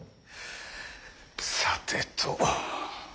さてと。